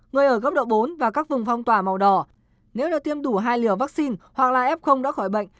người ở góc độ bốn và các vùng phong tỏa màu đỏ nếu là tiêm đủ hai liều vaccine hoặc là f đã khỏi bệnh